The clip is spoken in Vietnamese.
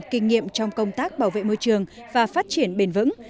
kinh nghiệm trong công tác bảo vệ môi trường và phát triển bền vững